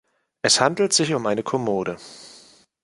Es handelt sich um eine Kommode.